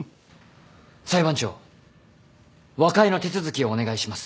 裁判長和解の手続きをお願いします。